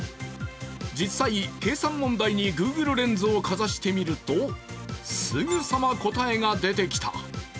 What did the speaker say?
実際、計算問題にＧｏｏｇｌｅレンズをかざしてみると、すぐさま答えが出てきた。